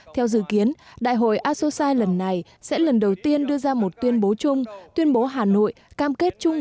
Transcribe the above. theo dự kiến đại hội asosci lần này sẽ lần đầu tiên đưa ra một tuyên bố chung tuyên bố hà nội cam kết chung